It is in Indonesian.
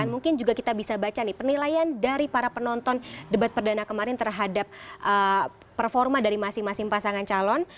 mungkin juga kita bisa baca nih penilaian dari para penonton debat perdana kemarin terhadap performa dari masing masing pasangan calon